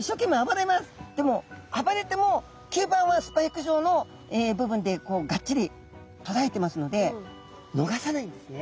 でも暴れても吸盤はスパイク状の部分でがっちりとらえてますので逃さないんですね。